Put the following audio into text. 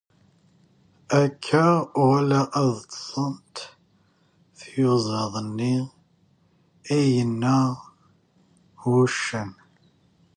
Akka wala ad ṭṭsent tyuzaḍ-nni, i yenna wuccen.